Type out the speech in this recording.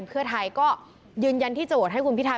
เพื่อไทยก็ยืนยันที่จะโหวตให้คุณพิทา